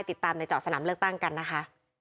ติดตามในเจาะสนามเลือกตั้งกันนะคะ